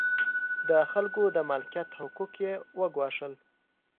د خلکو د مالکیت حقوق یې وګواښل.